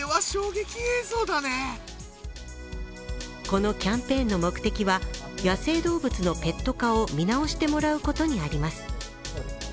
このキャンペーンの目的は、野生動物のペット化を見直してもらうことにあります。